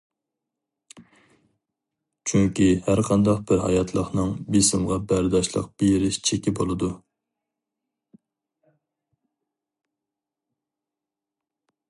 چۈنكى ھەرقانداق بىر ھاياتلىقنىڭ بېسىمغا بەرداشلىق بېرىش چېكى بولىدۇ.